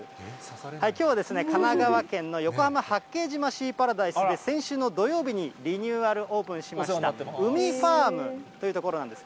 きょうは神奈川県の横浜・八景島シーパラダイスで、先週の土曜日にリニューアルオープンしました、うみファームという所なんです。